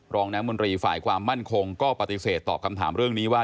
รองน้ำมนตรีฝ่ายความมั่นคงก็ปฏิเสธตอบคำถามเรื่องนี้ว่า